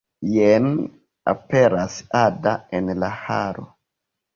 Jen aperas Ada en la halo.